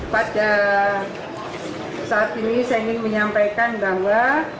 pada saat ini saya ingin menyampaikan bahwa